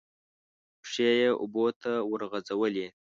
پښې یې اوبو ته ورغځولې.